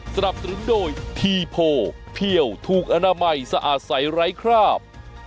สนับสนุนโดยทีโพเพี่ยวถูกอนามัยสะอาดใสไร้คราบ